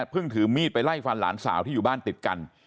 เพิ่งถึงมีดไปไล่ฝั่งหลานสาวที่อยู่บ้านติดกัน